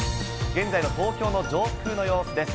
現在の東京の上空の様子です。